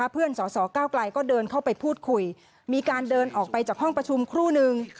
สสเก้าไกลก็เดินเข้าไปพูดคุยมีการเดินออกไปจากห้องประชุมครู่นึง